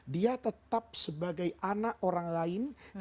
dia tetap sebagai anak orang lain